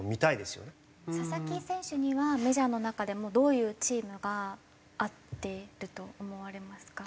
佐々木選手にはメジャーの中でもどういうチームが合ってると思われますか？